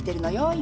今。